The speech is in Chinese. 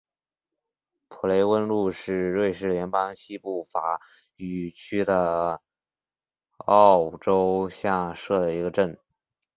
普雷翁路是瑞士联邦西部法语区的沃州下设的一个镇。